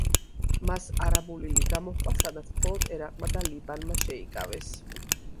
მას არაბული ლიგა მოჰყვა, სადაც მხოლოდ ერაყმა და ლიბანმა შეიკავეს.